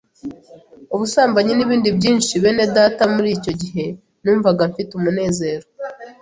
ubusambanyi n’ibindi byinshi, bene data muri icyo gihe numvaga mfite umunezero